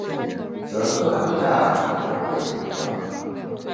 则设于驾驶室的背墙上。